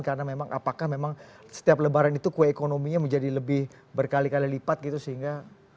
karena memang apakah memang setiap lebaran itu kue ekonominya menjadi lebih berkali kali lipat gitu sehingga